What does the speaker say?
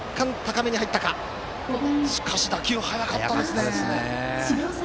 しかし打球速かったですね。